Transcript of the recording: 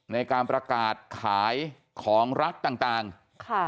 ในการประกาศขายของรักต่างต่างค่ะ